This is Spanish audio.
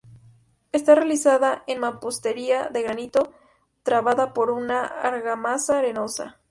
Está realizada en mampostería de granito, trabada por una argamasa arenosa.